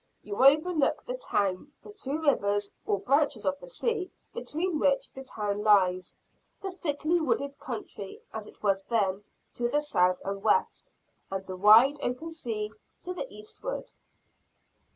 You overlook the town; the two rivers, or branches of the sea, between which the town lies; the thickly wooded country, as it was then, to the south and west; and the wide, open sea to the eastward.